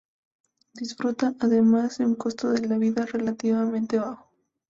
Disfruta, además, de un costo de la vida relativamente bajo.